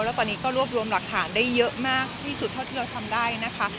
แล้วตอนนี้ก็รวบรวมหลักฐานได้เยอะมากที่สุดเท่าที่เราทำได้นะคะ